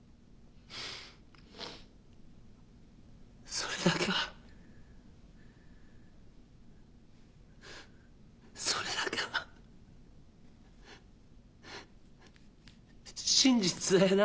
それだけはそれだけは真実だよな？